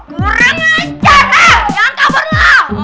kurang ajar haaa jangan kabur lo